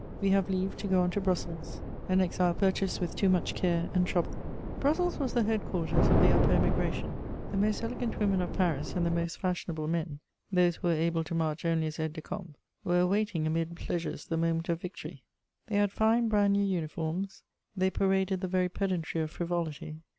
We have leave to go on to Brussels, an exile purchased with too much care and trouble. * [Sidenote: Brussels.] Brussels was the head quarters of the upper Emigration: the most elegant women of Paris and the most fashionable men, those who were able to march only as aides de camp, were awaiting amid pleasures the moment of victory. They had fine brand new uniforms; they paraded the very pedantry of frivolity.